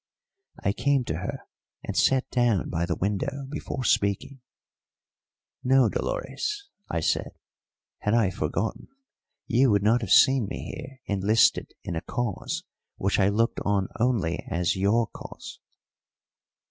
I came to her and sat down by the window before speaking. "No, Dolores," I said; "had I forgotten, you would not have seen me here enlisted in a cause which I looked on only as your cause."